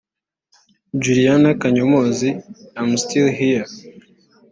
Juliana Kanyomozi – I’m Still Here